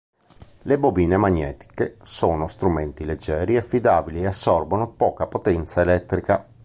Le bobine magnetiche sono strumenti leggeri e affidabili e assorbono poca potenza elettrica.